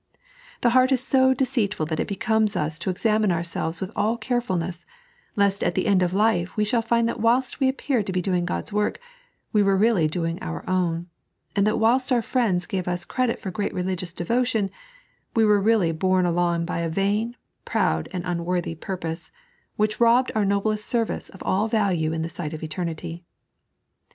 The heart is so deceitful that it becomes us to examine ouradvee with all carefulness, lest at the end of life we shall find that whilst we appeared to be doing God's work, we were really doing our own ; and that whilst our friends gave us credit for great religious devotion, we were really borne along by a vain, proud, and unworthy purpose, which robbed our noblest service of all value in the sight of eternity.